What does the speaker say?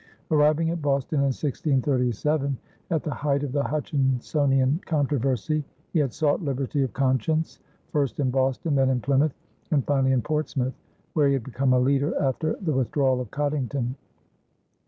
Arriving at Boston in 1637 at the height of the Hutchinsonian controversy, he had sought liberty of conscience, first in Boston, then in Plymouth, and finally in Portsmouth, where he had become a leader after the withdrawal of Coddington.